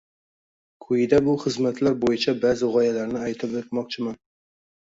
Quyida bu xizmatlar bo’yicha ba’zi g’oyalarni aytib o’tmoqchiman